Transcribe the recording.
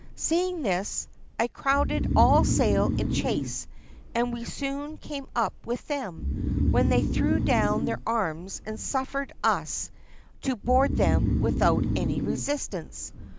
Seeing this, I crowded all sail in chase, and we soon came up with them, when they threw down their arms and suffered us to board them without any resistance.